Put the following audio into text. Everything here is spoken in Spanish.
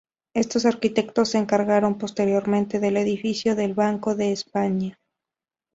Estos arquitectos se encargaron posteriormente del edificio del Banco de España.